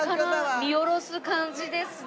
ここから見下ろす感じですね。